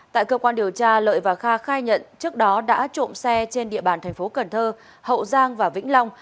tại cơ quan điều tra lợi và kha khai nhận trước đó đã trộm xe trên địa bàn thành phố cần thơ hậu giang và vĩnh long